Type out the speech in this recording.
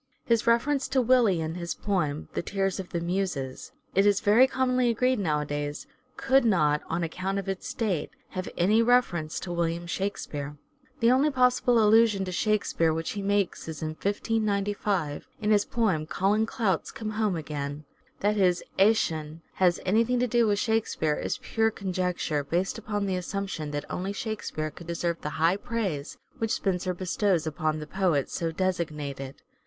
His reference to " Willie" in his poem, the " Teares of the Muses," it is very commonly agreed nowadays, could not, THE STRATFORDIAN VIEW 73 on account of its date, have any reference to William Shakspere. The only possible allusion to Shakespeare which he makes is in 1595, in his poem " Colin Clout's Come Home Again." That his " Action " has any thing to do with Shakespeare is pure conjecture, based upon the assumption that only "Shakespeare " could deserve the high praise which Spenser bestows upon the poet so designated.